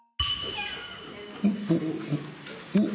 おっ！